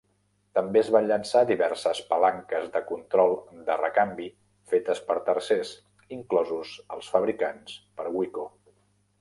També es van llançar diverses palanques de control de recanvi fetes per tercers, inclosos els fabricats per Wico.